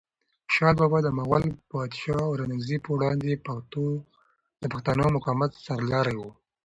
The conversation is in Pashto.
خوشحال بابا د مغول پادشاه اورنګزیب په وړاندې د پښتنو د مقاومت سرلاری و.